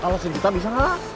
dua juta bisa lah